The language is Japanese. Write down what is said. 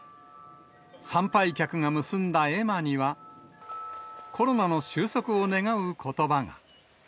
参拝客が結んだ絵馬には、コロナの収束を願うことばが。